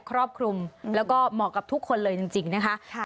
ครอบคลุมแล้วก็เหมาะกับทุกคนเลยจริงนะคะ